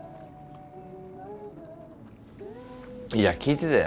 いや聞いてたよ